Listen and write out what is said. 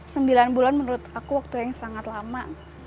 sembilan bulan menurut aku waktu yang sangat lama